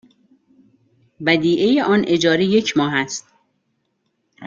ودیعه آن اجاره یک ماه است.